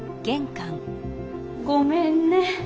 ごめんね。